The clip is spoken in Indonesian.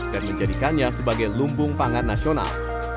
dan menjadikannya sebagai lumbung pangan nasional